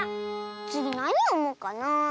つぎなによもうかなあ。